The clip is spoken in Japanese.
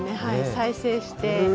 再生して。